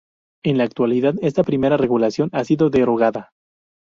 En la actualidad, esta primera regulación ha sido derogada.